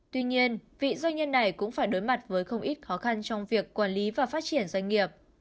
tuy nhiên vị doanh nhân này cũng phải đối mặt với không ít khó khăn trong việc quản lý và phát triển doanh nghiệp